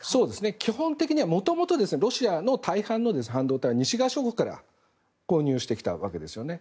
基本的にはもともとロシアの大半の半導体は西側諸国から購入してきたわけですよね。